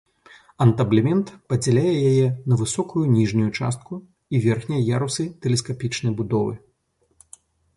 Антаблемент падзяляе яе на высокую ніжнюю частку і верхнія ярусы тэлескапічнай будовы.